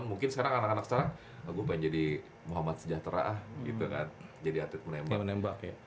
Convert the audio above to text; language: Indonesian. mungkin sekarang anak anak sekarang gue pengen jadi muhammad sejahtera lah jadi atlet menembak